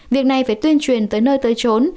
việc này phải tuyên truyền tới nơi tới trốn